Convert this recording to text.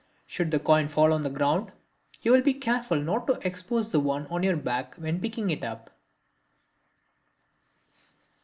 Should the coin fall on the ground, you will be careful not to expose the one on your back when picking it up.